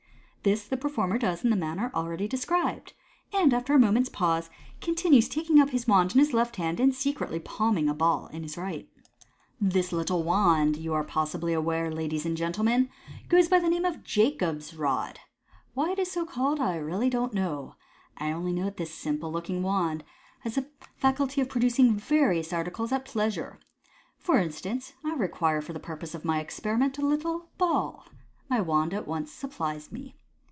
(This the performer does in the manner already described, and after a moment's pause, continues, taking up his wand in his left hand, and secretly palming a ball in his right.) rt This little wand, you are possibly aware, ladiea and gentlemen, goes by the name of Jacob's Rod. Why it is so called 1 really don't knowj I only know that this simple looking wand has the faculty of producing various articles at pleasure. For instance, I require for the purpose of my experiment a little ball. My wand at once supplies me."